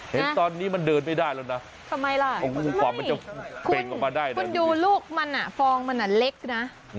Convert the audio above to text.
เห็นตอนนี้มันเดินไม่ได้แล้วนะทำไมล่ะคุณดูลูกมันอ่ะฟองมันอ่ะเล็กนะ